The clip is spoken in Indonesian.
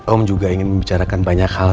om juga ingin membicarakan banyak hal